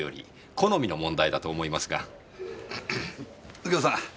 右京さん。